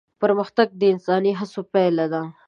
پرمختګ د انساني هڅو پايله ده.